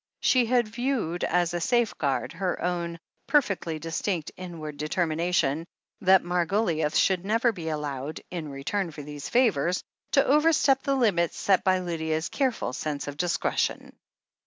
She had viewed as a safeguard her own perfectly dis tinct inward determination that Margoliouth should never be allowed, in return for these favours, to over step the limits set by Lydia's careful sense of discre tion.